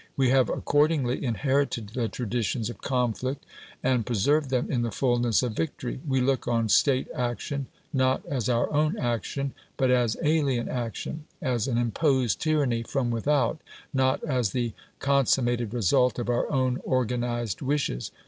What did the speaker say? We have, accordingly, inherited the traditions of conflict, and preserve them in the fulness of victory. We look on State action, not as our own action, but as alien action; as an imposed tyranny from without, not as the consummated result of our own organised wishes.